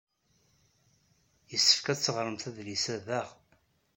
Yessefk ad teɣremt adlis-a daɣ.